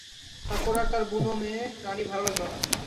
তারপর আর তাঁর বুনোর-মেয়ে রাণী ভাল লাগল না।